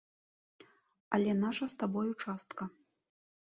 Але наша з табою частка.